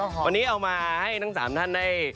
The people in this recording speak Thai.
พอมมาให้ทั้งสามท่านได้